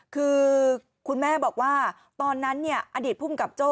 คือคุณแม่บอกว่าตอนนั้นอดีตภูมิกับโจ้